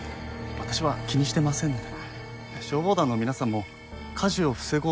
私は本当に気にしてませんので。